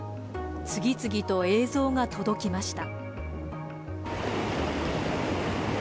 次々と映像が届きました。